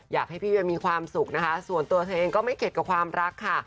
อยากให้พี่มีความสุขนะคะส่วนตัวเธอเองก็ไม่เข็ดกับความรักค่ะ